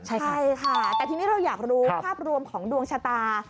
ใช่ค่ะแต่ทีนี้เราอยากรู้ภาพรวมของดวงชะตา